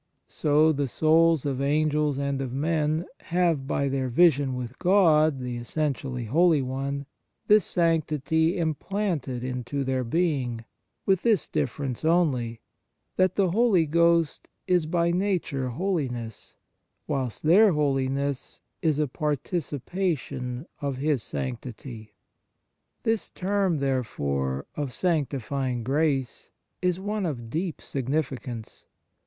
So the souls of Angels and of men have by their vision with God, the essentially Holy One, this sanctity implanted into their being, with this difference only : that the Holy Ghost is by nature holiness, whilst their holiness is a participation of His sanctity." 1 This term, therefore, of sanctifying grace is one of deep significance.